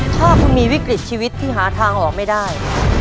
ถ้าคุณมีวิกฤตชีวิตที่หาทางออกไม่ได้